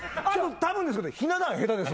たぶんですけどひな壇下手ですよ。